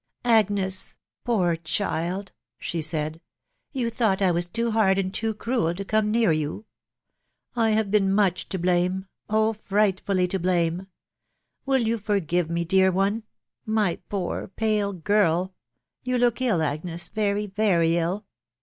<f Agnes !.... poor child !" she said, ft you, thought I was too hard and too cruel to come near you ?.... I have been much to blame .... oh ! frightfully to blame J .... Will you forgive me, dear one ?... My poor pale girl !... You look ill, Agnes, very, very ill.